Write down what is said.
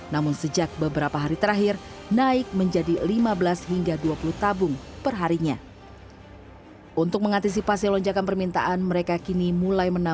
namun sejak beberapa hari terakhir naik menjadi lima belas hingga dua puluh tabung perharinya